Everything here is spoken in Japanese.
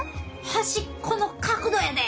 端っこの角度やで！